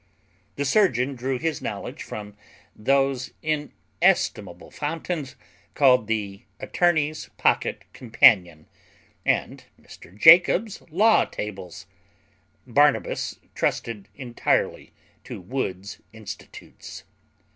The surgeon drew his knowledge from those inestimable fountains, called The Attorney's Pocket Companion, and Mr Jacob's Law Tables; Barnabas trusted entirely to Wood's Institutes.